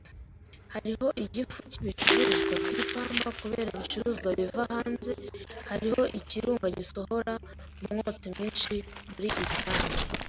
Hariho igifu cyibicuruzwa byipamba kubera ibicuruzwa biva hanze. Hariho ikirunga gisohora umwotsi mwinshi muri Islande.